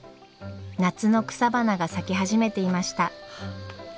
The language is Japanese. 夏の草花が咲き始めていました。